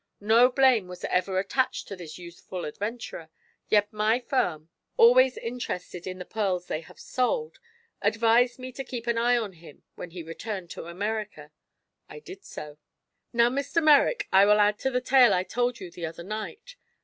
No blame has ever attached to this youthful adventurer, yet my firm, always interested in the pearls they have sold, advised me to keep an eye on him when he returned to America. I did so. "Now, Mr. Merrick, I will add to the tale I told you the other night.